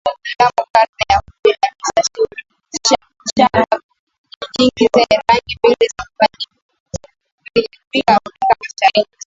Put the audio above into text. mnamo karne ya kumi na tisa shanga nyingi zenye rangi mbalimbali zilifika Afrika Mashariki